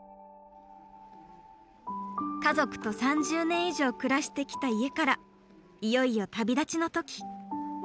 家族と３０年以上暮らしてきた家からいよいよ旅立ちの時。